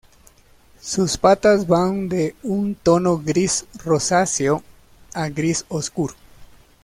Sus patas van de un tono gris rosáceo a gris oscuro.